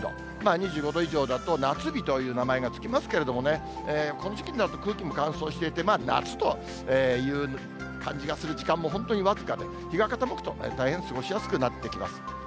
２５度以上だと、夏日という名前が付きますけれどもね、この時期になると、空気も乾燥していて、夏という感じがする時間も本当に僅かで、日が傾くとね、大変過ごしやすくなってきます。